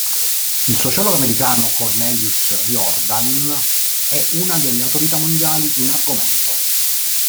Il sociologo americano Cornelius Riordan è una delle autorità mondiali in argomento.